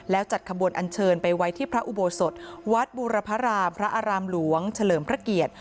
แล้วจัดขบวนอันเชิญไปไว้ที่พระอุโบสถวัดบูรพรามพระอารามหลวงเฉลิมพระเกียรติ